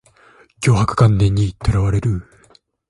強迫観念にとらわれる